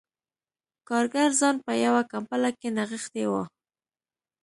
کارګر ځان په یوه کمپله کې نغښتی و